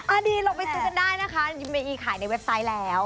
อันนี้เราไปซื้อจะได้นะคะมีขายในเว็บไซต์แล้ว